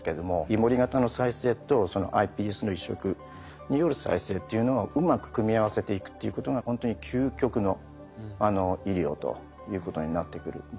イモリ型の再生とそのｉＰＳの移植による再生っていうのをうまく組み合わせていくっていうことがほんとに究極の医療ということになってくるんだと思います。